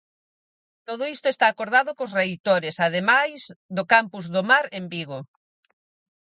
Todo isto está acordado cos reitores, ademais do Campus do Mar, en Vigo.